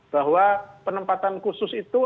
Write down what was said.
bahwa penempatan khusus itu